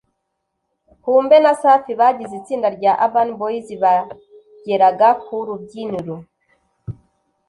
Humbe na Safi bagize itsinda rya Urban boys bageraga ku rubyiniro